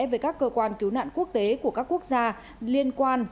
với các cơ quan cứu nạn quốc tế của các quốc gia liên quan